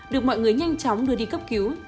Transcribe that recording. được mọi người nhanh chóng đưa đi cấp cứu